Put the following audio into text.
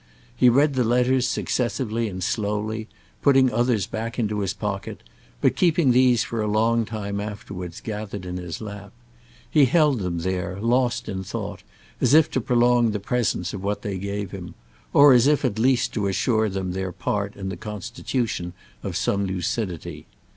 He read the letters successively and slowly, putting others back into his pocket but keeping these for a long time afterwards gathered in his lap. He held them there, lost in thought, as if to prolong the presence of what they gave him; or as if at the least to assure them their part in the constitution of some lucidity.